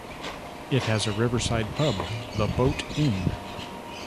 It has a riverside pub, the Boat Inn.